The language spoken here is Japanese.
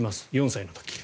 ４歳の時。